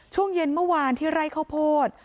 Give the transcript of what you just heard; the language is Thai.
ช่วงเย็นเมื่อวานที่ไร่ข้าวโพด